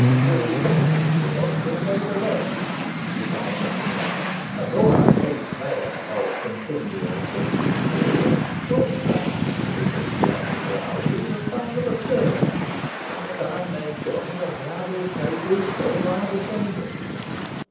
"There is something in the notion, nevertheless," replied Nicholas; "and though our case may, I hope, continue an exception to the rule, most grantees of ecclesiastical houses have found them a curse, and the time may come when the Abbey may prove so to our descendants.